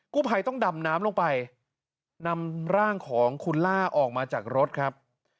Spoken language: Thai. ผู้ภัยต้องดำน้ำลงไปนำร่างของคุณล่าออกมาจากรถครับ